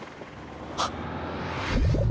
はっ！